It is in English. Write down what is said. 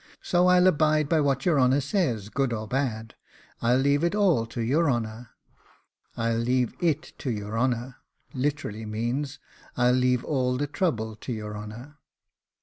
So I'll abide by what your honour says, good or bad. I'll leave it all to your honour. I'll leave IT all to your honour literally means, I'll leave all the trouble to your honour.